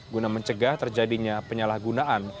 guna mencegah terjadinya penyalahgunaan